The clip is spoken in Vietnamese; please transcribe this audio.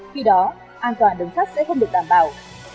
khi đó an toàn đường thấp sẽ không được đảm bảo